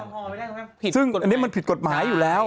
พอไปได้ไหมผิดกฎหมายซึ่งอันนี้มันผิดกฎหมายอยู่แล้ว